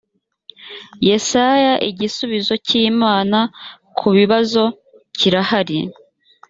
yesaya igisubizo cy imana kubibazo kirahari